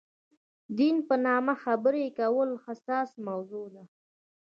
دین په نامه خبرې کول حساسه موضوع ده.